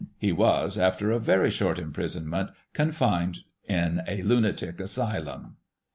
He was, after a very short imprisonment, confined in a lunatic asylum.